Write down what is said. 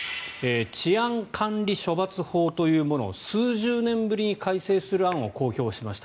治安管理処罰法というものを数十年ぶりに改正する案を公表しました。